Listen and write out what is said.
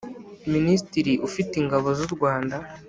Minisitiri ufite Ingabo z u Rwanda